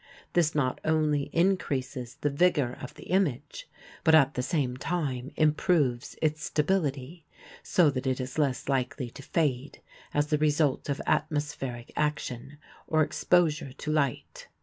This not only increases the vigor of the image but at the same time improves its stability, so that it is less likely to fade as the result of atmospheric action or exposure to light.